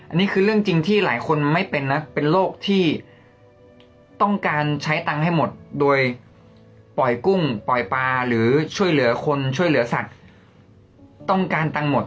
อันนี้คือเรื่องจริงที่หลายคนไม่เป็นนะเป็นโรคที่ต้องการใช้ตังค์ให้หมดโดยปล่อยกุ้งปล่อยปลาหรือช่วยเหลือคนช่วยเหลือสัตว์ต้องการตังค์หมด